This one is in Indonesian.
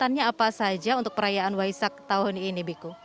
dan penyertanya apa saja untuk perayaan waisak tahun ini biku